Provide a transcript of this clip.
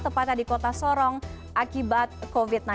tepatnya di kota sorong akibat covid sembilan belas